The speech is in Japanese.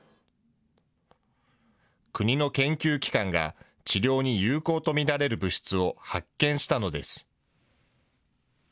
国の研究機関が、治療に有効と見られる物質を発見したのです。